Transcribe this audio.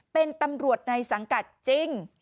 เป็นตำรวจในสังกัดจริง